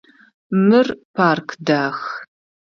Мыр парк дах.